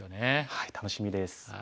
はい楽しみです。